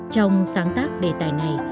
trong sáng tác đề tài này